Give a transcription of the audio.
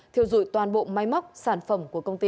thiêu dụi toàn bộ máy móc sản phẩm của công ty